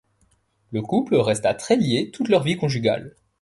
Le couple resta très lié toute leur vie conjugale.